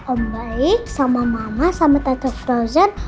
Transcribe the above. om baik sama mama sama tante frozen